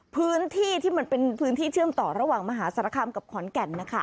พื้นที่ที่มันเป็นพื้นที่เชื่อมต่อระหว่างมหาสารคามกับขอนแก่น